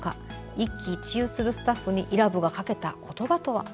一喜一憂するスタッフに伊良部がかけた言葉とは？